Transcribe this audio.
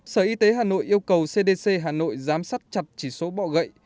sở y tế hà nội yêu cầu cdc hà nội giám sát chặt chỉ số bọ gậy